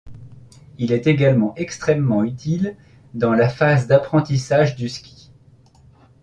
Il est également extrêmement utile dans la phase d'apprentissage du ski.